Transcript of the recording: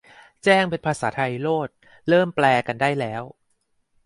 แจ้งเป็นภาษาไทยโลด เริ่มแปลกันได้แล้ว